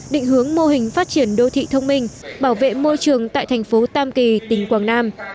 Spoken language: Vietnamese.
định hướng mô hình phát triển đô thị thông minh bảo vệ môi trường tại thành phố tam kỳ tỉnh quảng nam